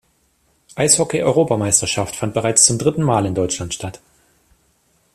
Eishockey-Europameisterschaft fand bereits zum dritten Mal in Deutschland statt.